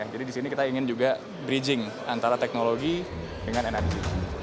jadi di sini kita ingin juga bridging antara teknologi dengan energi